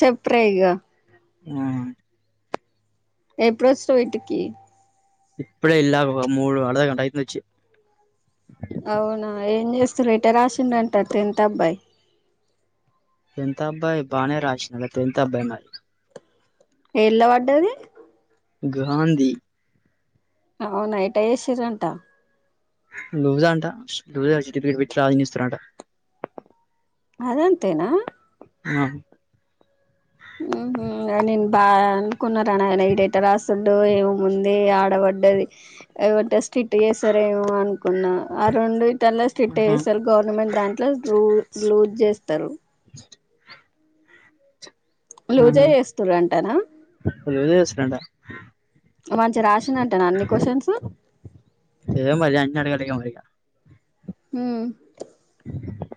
చెప్పురేగా హ్మ్ ఎ ప్రోచిన్నవ్ ఇంటికి ఇప్పుడే ఇలా మూడు అర్ధగంట అయితుంది వచ్చి అవునా ఏం చేస్తురు ఏటా రాసిండ అంటా టెన్త్ అబ్బాయి టెన్త్ అబ్బాయి బానే రాసి టెన్త్ అబ్బాయి మరి ఎలా పడ్డది గాంధీ అవునా ఎటాచేసిరంట లూజ అంట [unintelligible] పెట్టి రాయన ఇస్తురంట అదంతేనా ఆ హ్మ్ హు నేను బాగా అనుకున్నా రా నయన ఈడు ఎటా రాస్తుడు ముంది ఆడ పడది [unintelligible] స్ట్రిక్ట్ చేస్తారేమో అనుకున్న ఆ రెండు ఇటల్లా స్టిట్ ఆహా చేస్తారు గవర్నమెంట్ దాంట్లో లూజ్ చేస్తారు లూజే ఆహా చేస్తురు అంటన లూజే చేస్తారంట మంచి రాసిన అంటానా అన్ని క్వశ్చన్స్ ఏమో మరి అన్ని అడగాలి ఇగ మరి హ్మ్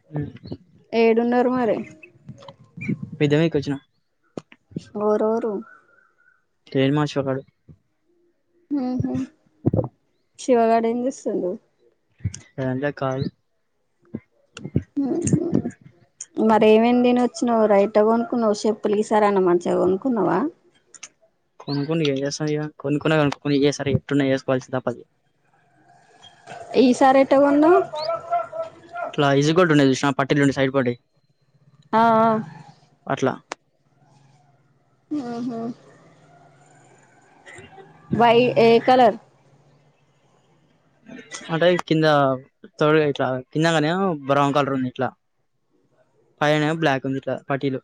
హ్మ్ ఏడున్నారు మరి పెద్ద మీదికి వచ్చిన ఓరోరు కెన్ మాచకాడు హ్మ్ హు శివగాడు ఎం చేస్తుండు రంటా కాల్ హ్మ్ హు మరే ఎం ఎం తినొచ్చినవ్ రైట్గ కొనుకున్నావు చెప్పులుకిసారాన్న మంచిగా కొనుకున్నావా కొనుక్కనిగా ఎం చేస్తాం ఇగ కొనుక్కన్నా కొనుని [unintelligible] ఎట్టున్నా వేసుకోవాల్సి తప్పదు ఈసారెట్ట కొన్నావ్ ఇలా ఇజగోల్డ్ ఉండే చూస్ న పట్టిల్ ఉండి సైడ్ పటి ఆ ఆ అట్ల ఆహా వయి ఎ కలర్ అంటే కింద తోడుగా ఇట్లా కింద కానే బ్రౌన్ కలర్ ఉంది ఇట్లా పైనే బ్లాక్ ఉంది ఇట్లా పట్టిలు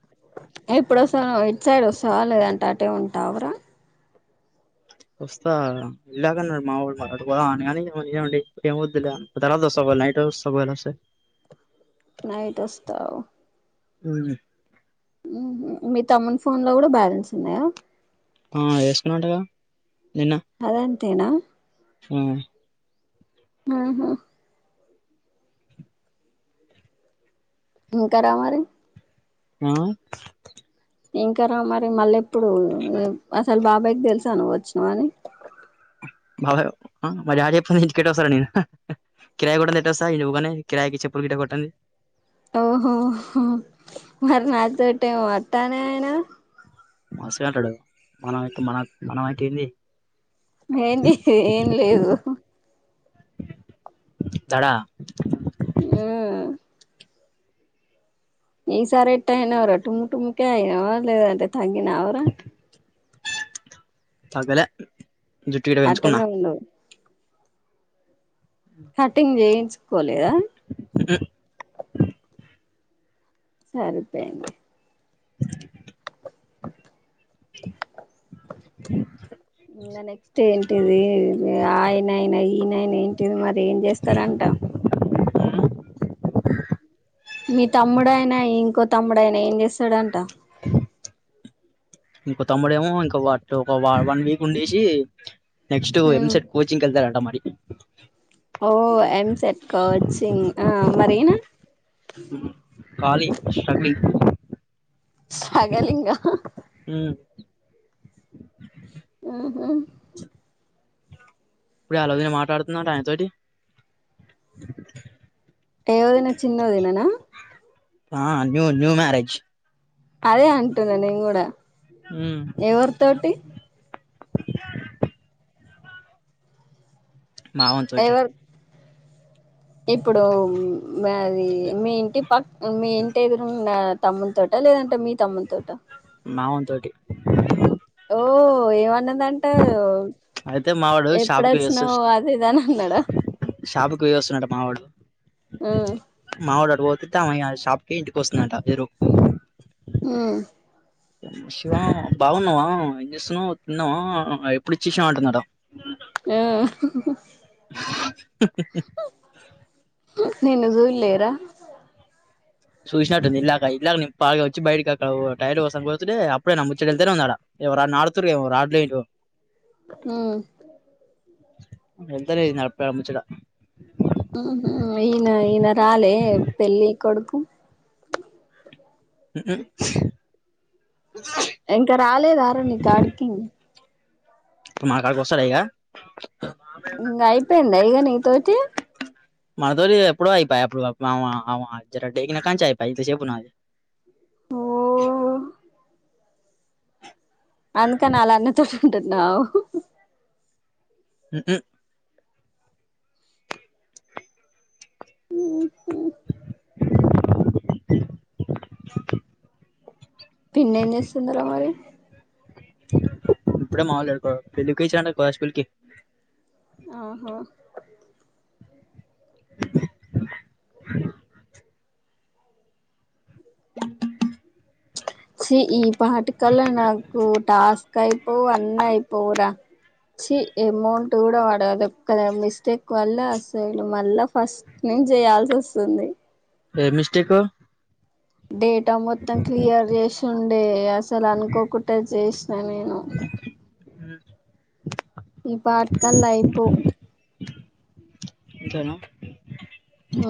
ఇప్పుడు వసానవ్ ఇట్ సైడ్ వస్తావ లేద అటే ఉంటావరా వస్తా ఇలాగన్నా మా ఓడు పోదాం అని కాని నేనే ఉండి ఏం వద్దులే తరువాత వస్త ఒకవేళ నైట్ వస్త ఒకవేళ వస్తే నైట్ వస్తవ్ అవున మీ తమ్ముని ఫోన్ లో కూడా బ్యాలెన్స్ ఉన్నాయా ఆ వేసుకున్నా అంటగా అదేం తేన హ్మ్ ఆహా ఇంక రా మరి ఆ ఇంకరా మరి మల్లెప్ ప్పుడు ఉ అసలు బాబాయ్ దెల్సా నువ్ ఒచ్చినవని బావ మా డాడీ ఎప్పుడు ఇంటికెలడోస్త నేను కిరాయి కూడా నెట్టొస్తా ఈడ ఓపెనైన్ది కిరాయికి చెప్పులు గిట కొట్టండి ఓహోహో మరి నాతోటేమో అ తనేనా మస్తుగా అంటాడు మనయితే మన మనం అయితే ఏంది ఏంది ఏం లేదు దడా ఊ ఈసారి ఎట్టయినవ్ రా టుముటుముకె అయినవ లేదంటే తగ్గినావ్ రా తగ్గలే జుట్టు గిట్ట పెంచుకున్నా అట్టనే ఉండు కటింగ్ జేయించుకోలేదా ఉ ఉ సరిపైంది ఇంకా నెక్స్ట్ ఏంటిది ఆయనయినా ఈయనయినా ఏంటిది మరి ఏం చేస్తారంటా ఉహు మీ తమ్ముడయినా ఇంకో తమ్ముడయినా ఏం జేస్ తడంట ఇంకో తమ్ముడమో ఇంకో వాటు ఒక వన్ వీక్ ఉండేషి నెక్స్ట్ ఎం మ్మ్ సెట్ కోచింగ్ ఎళ్తడట మరి ఓ ఎంసెట్ కోచింగ్ ఆ మరి ఈన కాళీ స్ట్రగ్గ్లింగ్ స్ట్రగలింగ ఉహు ఇప్పుడే ఆళ్ళ ఒదిన మాట్లాడుతుందట ఆయనతోటి ఏ ఒదిన చినొదిన నా ఆ న్యూ న్యూ మ్యారేజ్ అదే అంటున్నా నేన్ గూడా ఏవరితోటి మావొంతోటి ఎవరు ఇప్పుడు మది మీ ఇంటి పక్ మీ ఇంటి ఎదురుంగ తమ్ముంతోట లేదంటే మీ తముంతోట మావొంతోటి ఓ ఏవన్నదంటయో అయితే మావాడు షాపుకి వస్తు అది ఇది అని అన్నాడా షాపుకి పోయి వస్తున్నట మావాడు ఆ మావాడు అటు పోతు ఇమ సాపు ఇంటి కోస్తున్నా ఏ ర ఆ బాగున్నావా ఏం చేస్తున్నావు్ తిన్నావా ఎప్పుడు వచ్చేశావు అంటున్నారు ఆ [unintelligible] నిన్ను చూడలేదా చూసినట్టు ఉంది ఇందాక ఇందాక నేన బాగా వచ్చి బయటకి అక్కడ డైర్ కోసం పోతుే అప్పుడే నమ్ ముచ్చ వెళ్తేనే ఉన్నాడా ఎ నాడుతతుారు రాట్లే ఆ ఎంత [unintelligible] ఈయన ఈయన రాలే పెళ్ళి కొడుకు [unintelligible] ఇంకా రాలేదార నీ కాడికి నా కాడికి వస్తాడా ఇక ఇంగ అయిపోయింద ఇగ నీ తోటి మా తోటి ఎప్పుడో ఆయి పాయ అప్పుడు [unintelligible] కాంచీ ఆయిపోయి చెప్పు [unintelligible] అందుక నాల అన్న త ంట నావు అ [unintelligible] పిన్నీ ఏం చేస్తున్నారు మరి ఇప్పుడే మామూలుడుకో పెళ్ళకి ఇచ్చిన స్కూల్కిి ఆహో [unintelligible] [unintelligible] ఛీ ఈ పాటికల్లా నాకు టాస్క్ చ్చి అమౌంట్ కూడా పడదు ఒక్క మిస్టేక్ వల్ల అసలు మళ్ళా ఫస్ట్ నుంచి చేయాల్సి వస్తుంది ఏ మిస్టికు డటా మొత్తం క్లియర్ చేసి చుండయా అసలు అనుకోకుంటే చేసినా నేను [unintelligible] ఈ పాటికల్లా అయిపోవు అంతేనా ఆ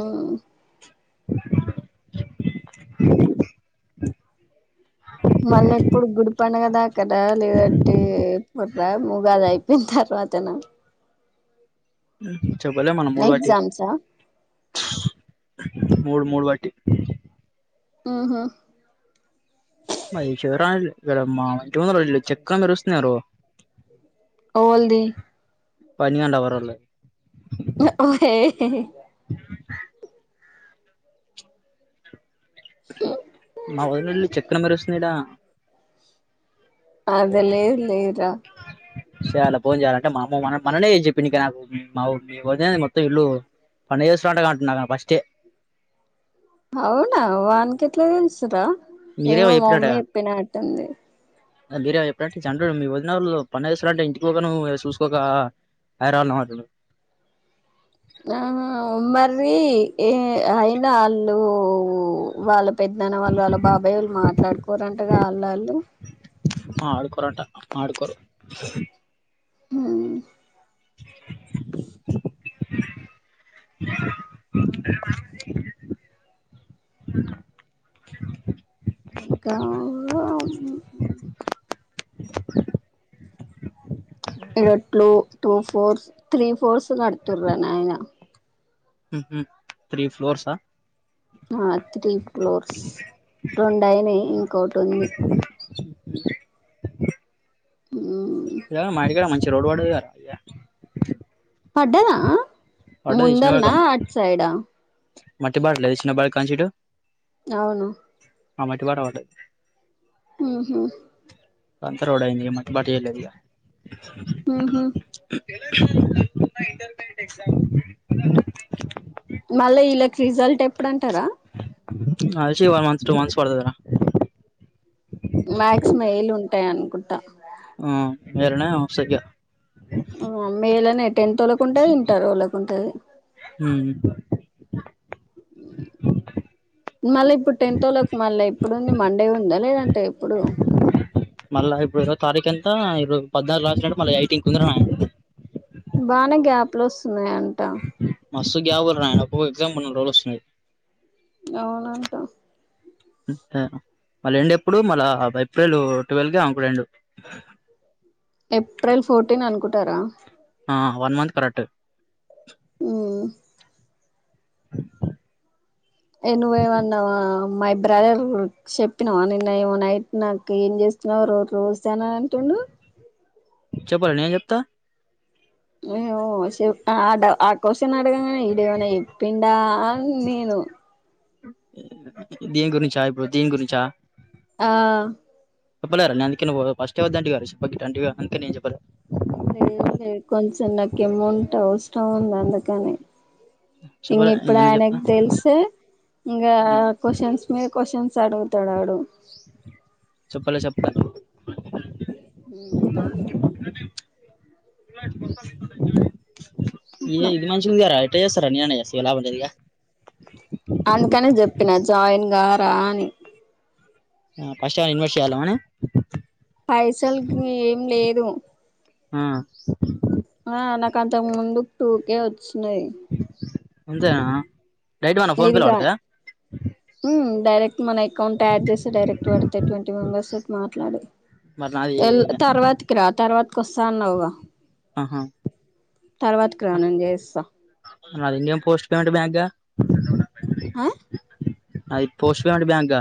[unintelligible] మల్లెప్పుడు గుర్ పన కదా అక్కడ లేదంటే ముర్రా ముగాది అయిపోయింది తర్వాతనా హ్మ్ హు చొప్పలేం మన మూడు వటి ఎగ్జామ్సా మూడు మూడు వట్టి హ్మ్ హు మహిషివరాజు గరమ్ మా ఇంటి ముందర వీళ్ళు చెక్క దెరుస్తున్నారు ఓల్ది పని కండవరలే ఓహే మా వదినొల్లు చెక్కన మెరుస్తుస్నిడా అద లేదు లేరా సేయాల ఫోన్ జేయాలంటే మా అమ్మ మన్ననే జెప్పి నిక నాకు మా మీ ఒదినదే మొత్తం ఇల్లు పన్న చేస్తురంటగా అంట్నాగ ఫస్టే అవునా వాన్ కేట్లా తెల్సు రా మీరే ఏమో మా మమ్మీ చెప్పినట్టుగా చెప్పినాట్టుంది మీరే ఎప్పుడంటే చంటుడు మీ వదినోళ్ళు పండగా జేస్తారంట ఇంటికి పోకా నువ్ చూసుకోక ఐరన్నామటుండు ఆ మర్రి ఏ అయినా ఆళ్ళు వాళ్ళ పెద్దన్న వాళ్ళు వాళ్ళ బాబోయోళ్ళు మాట్లాడుకోరంటగా ఆళ్ళ ఆళ్ళు ఆడుకోరట ఆడుకోరు హ్మ్ ఇంకా ఇరొట్లు టూ ఫోర్స్ త్రీ ఫోర్స్ కడుతుర్రా నాయినా హ్మ్ హు త్రీ ఫ్లోర్సా ఆ త్రీ ఫ్లోర్స్ రొండయినయి కోటుంది మా ఇంటికాడ మంచి రోడ్ వడదిగా పడ్డదా ముందల్నా చిన్నవాడికి అట్ సైడా మట్టి బాట్లే తెచ్చినా బా కంచీటు అవును ఆ మెటు వార వడ్డది హ్మ్ హు అంత రోడయింది మట్టి బాటియే లేదిగా హ్మ్ హు మళ్లా ఇల result ఎప్పుడంటారా [unintelligible] one months two months పడతదిరా మ్యాక్స్ మే లు ఉంటాయ ఉంటా మ్మ్ మెరనా ఓ సఖియా మ్మ్ మేలనే టెన్త్ వాళ్ళకు ఉంటది ఇంటర్ వాళకుంటది ఉమ్ మళ్ళా ఇప్పుడు టెన్తోళ్లకి మళ్ళా ఇప్పుడుంది మండే ఉందా లేదంట అంటే ఇప్పుడు మళ్ళ ఇప్పుడు ఇరవ తారీఖు వెళ్తా ఇర పద్నాలుగు క్లాసులు అంటే మళ్ళీ ఐటీ కుందర బానే గ్యాప్ లోస్ స్న్నా అంట మస్తు గ్యాప్ [unintelligible] ఎగ్జామ్ పన్నెండు రోజులు వస్తున్నాయి అవునంటా మళ్ళ ఎండ్ ఎప్పుడు మళ్ళ ఏప్రిల్ ట్వెల్వ్ కే ఆమెకు ఎండు ఏప్రిల్ ఫోర్టీన్ అనుకుంటారా ఆ వన్ మంత్ కరెక్ట్ ఉమ్, [unintelligible] ఏ నువ్వేమన్న అమ్మాయి బ్రదర్ చెప్పినావా నిన్న ఏమో నైట్ నాకు ఏం చేస్తున్నావ రో రోజు జనా అంటుండు చెప్పలే ఏ చెప్తా ఇ ఆ ఓ చెప్ ఆ ఆడ ఆ క్యూస్షన్ అడగమను ఈడేమన్న చెప్పిండా అ నేను దీని గురించా ఇప్పుడు దీని గురించా ఆ చెప్పలే అ ఫస్ట్ చెప్ప అేను చెప్పలే ఇ లే ఇ లే కొంచ చెనాక ఎమౌంట్ అవసర్ అవును అందుకనే ఇంగ చెప్పలే నేను ఇప్పుడు ఎందుకు చెప్తా ఆయనకు తెలిస్తే ఇంకా క్వశ్చన్స్ మీ క్వశ్చన్స్ [unintelligible] అడుగుతాడు ఆడు మళ్ళీ చెప్తా [unintelligible] పంత [unintelligible] ఇదే అట్లా ఇది మనుషుందిగార ఎట్ల చెస్సారూ అన్యానేసి ఎలా ఉండదియా [unintelligible] జాయిన్ గారా అని ఫస్ట్ టైమ్ ఇన్వెస్ట్ చెయ్యాలా మనం పైసలకి ఏం లేదు హ్మ్ ఆ నా కంతకు ముందు టూకే వొ చినయ్ అంతేనా డైట్ మా నా ఫోన్ పేలో పడతాయా ఉమ్ డైరెక్ట్ మన అకౌంట్ యాడ్చేసి డైరెక్ట్ పడతాయి ట్వంటీ మెంబర్స్ మా ట్లాడు మరి నాది ఎల్ తర్వాత క్క రా తర్వా కొస్తాన్నావ్గా ఆహా తర్వాతకి రా నేను జేస్తా నాది ఇండియ పోస్ట్ పేమెంట్ బ్యాంక్గా ఆ నాది పోస్ట్ పేమెంట్ బ్యాంక్గా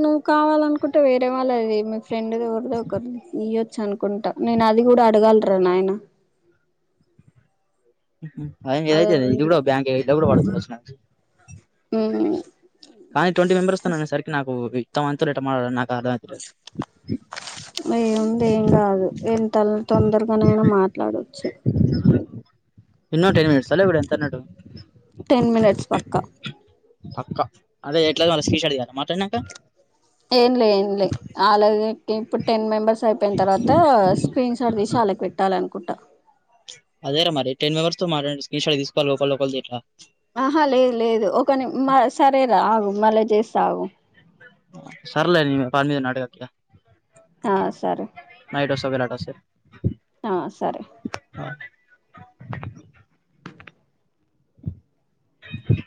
ను కావాలనుకుంటే వేరే వాళ్ళది దే మీ ఫ్రెండో ఎవర్దోఒకరిది ఈ చ్చనుకుంటా నేను అది గూడా అడగాల్రా నాయన అయంగ అదే ఇదయితే ఇది ఉంది గూడా ఓ బ్యాంకే ఎవడు వడుతది వచ్చినంకా ఉమ్ కానీ ట్వంటీ మెంబర్ర్సకి అనే సరికి నాకు తమంతు రెట [unintelligible] ఏముంది ఏంగాదు తల్ తొందరగానైనా మాట్లాడొచ్చు ఇన్నో టెన్ మినిట్స్ ఆ లెవుడు ఎంత అన్నాడు టెన్ మినిట్స్ పక్కా పక్కా అదే ఎట్లాగా వాళ్ళకి స్క్రీన్షార్ట్ తీయాల మాట్లానంకా ఏంలే ఏంలే ఆళ్లది ఇప్పుడు టెన్ మెంబర్స్ అయిపోయిన తర్వాత స్క్రీన్ షార్ట్ తీసి వాళ్ళకి పెట్టా లనుకుట అదే రా మరి టెన్ మెంబెర్స్ తో మాట్లాడి స్క్రీన్ షాట్ తీసుకోవాల్ల ఒకల్దీ ఒకల్దీ ఎట్లా ఆహా లేదు లేదు ఒకని మ సరేరా ఆగు మళ్ళా చే సాగు సర్లే పని మీద ఉన్నా అడుగక్యా ఆ సరే ఎటోస్తవ్ వీలాటోస్తే ఆ సరే [unintelligible] హుమ్మ్